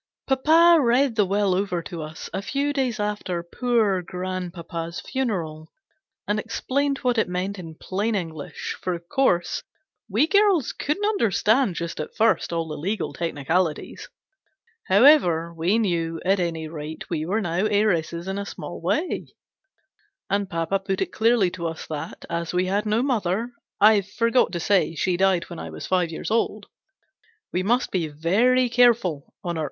PAPA read the will over to us a few days after poor grandpapa's funeral, and explained what it meant in plain English, for of course we girls couldn't understand just at first all the legal technicalities. However, we knew, at any rate, we were now heiresses in a small way ; and papa put it clearly to us that, as we had no mother (I forgot to say she died when I was five years old), we must be very careful, on our GENERAL PASSAVANT^S WILL.